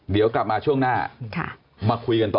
เดี๋ยวกลับมาช่วงหน้ามาคุยกันต่อ